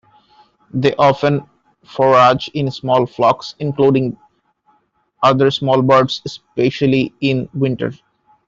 They often forage in small flocks including other small birds, especially in winter.